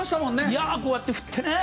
いやこうやって振ってね。